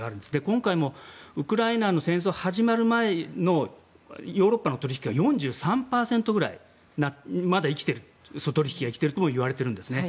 今回もウクライナの戦争が始まる前のヨーロッパの取引は４３％ぐらいまだ生きているともいわれているんです。